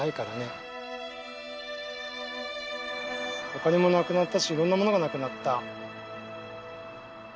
お金もなくなったしいろんなものがなくなった。